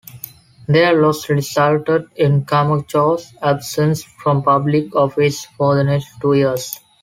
Their loss resulted in Camacho's absence from public office for the next two years.